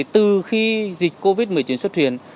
từ khi dịch covid một mươi chín xuất hiện